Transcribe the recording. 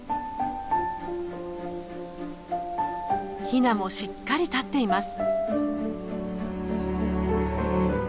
ヒナもしっかり立っています。